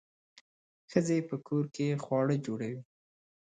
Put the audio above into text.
ښځې په کور کې خواړه جوړوي.